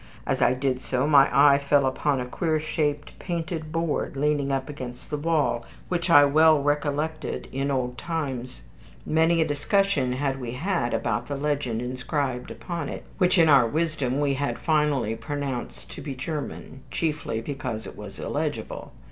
As I did so, my eye fell upon a queer shaped painted board, leaning up against the wall, which I well recollected in old times. Many a discussion had we had about the legend inscribed upon it, which in our wisdom we had finally pronounced to be German, chiefly because it was illegible.